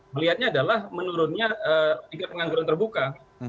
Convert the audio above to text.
melihatnya adalah menurunnya tingkat pengangguran terbuka